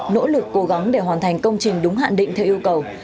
nỗ lực cố gắng để hoàn thành công trình đúng hạn định theo yêu cầu